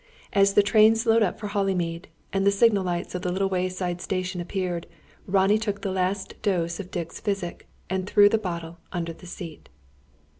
As the train slowed up for Hollymead, and the signal lights of the little wayside station appeared, Ronnie took the last dose of Dick's physic, and threw the bottle under the seat.